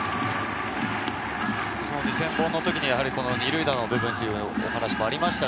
２０００本の時に二塁打の部分のお話もありました。